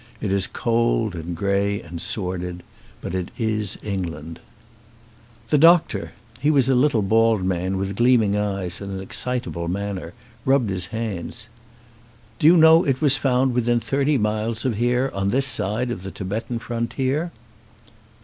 It is cold and grey and sordid, but it is England. The doctor — he was a little bald man, with gleaming eyes and an excitable manner — rubbed his hands. "Do you know it was found within thirty miles of here, on this side of the Tibetan frontier?"